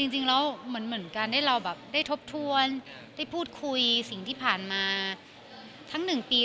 จริงแล้วเหมือนการที่เราแบบได้ทบทวนได้พูดคุยสิ่งที่ผ่านมาทั้ง๑ปี